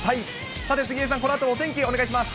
さて、杉江さん、このあとのお天気お願いします。